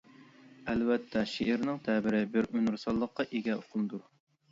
ئەلۋەتتە شېئىرنىڭ تەبىرى بىر ئۇنىۋېرساللىققا ئىگە ئۇقۇمدۇر.